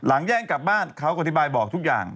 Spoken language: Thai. แย่งกลับบ้านเขาก็อธิบายบอกทุกอย่าง